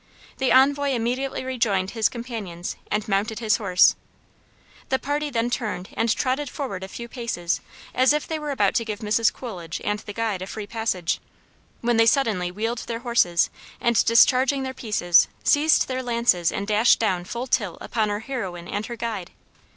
The envoy immediately rejoined his companions and mounted his horse; the party then turned and trotted forward a few paces as if they were about to give Mrs. Coolidge and the guide a free passage, when they suddenly wheeled their horses, and, discharging their pieces, seized their lances and dashed down full tilt upon our heroine and her guide.